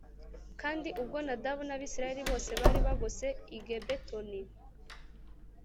kuko ubwo Nadabu n’Abisirayeli bose bari bagose i Gibetoni